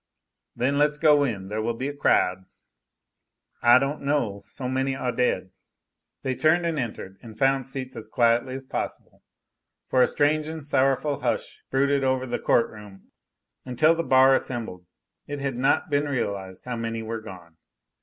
"Then let's go in: there will be a crowd." "I don't know: so many are dead." They turned and entered and found seats as quietly as possible; for a strange and sorrowful hush brooded over the court room. Until the bar assembled, it had not been realized how many were gone.